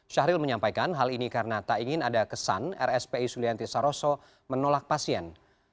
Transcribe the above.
syahril menyampaikan hal ini karena tak ingin ada kesan rspi sulianti saroso menolak pasien